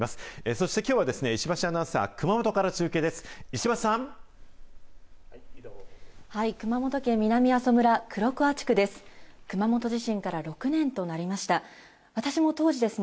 そしてきょうは、石橋アナウンサー、熊本から中継です。